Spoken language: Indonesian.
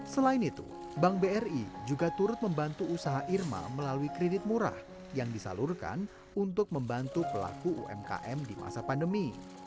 selain itu bank bri juga turut membantu usaha irma melalui kredit murah yang disalurkan untuk membantu pelaku umkm di masa pandemi